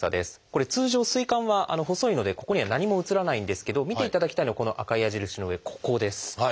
これ通常膵管は細いのでここには何も映らないんですけど見ていただきたいのはこの赤い矢印の上ここです。